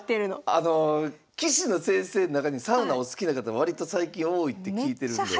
あの棋士の先生の中にサウナお好きな方割と最近多いって聞いてるんで。